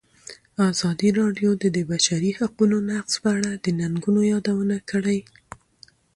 ازادي راډیو د د بشري حقونو نقض په اړه د ننګونو یادونه کړې.